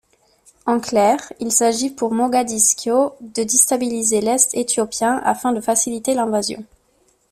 En clair, il s'agit pour Mogadiscio de déstabiliser l'Est éthiopien afin de faciliter l'invasion.